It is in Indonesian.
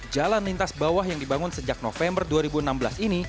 jalan lintas bawah yang dibangun sejak november dua ribu enam belas ini